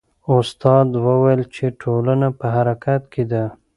استاد وویل چې ټولنه په حرکت کې ده.